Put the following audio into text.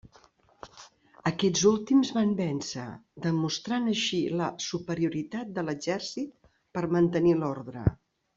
Aquests últims van vèncer, demostrant així la superioritat de l'exèrcit per mantenir l'ordre.